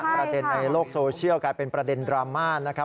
ประเด็นในโลกโซเชียลกลายเป็นประเด็นดราม่านะครับ